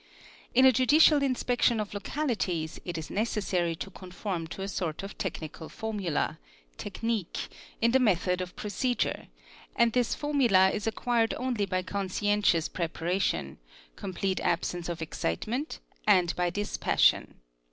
In a judicial inspection of localities it is necessary to Jeonform to a sort of technical formula (technique) in the method of pro | cedure and this formula is acquired only by conscientious preparation, complete absence of excitement, and by dispassion.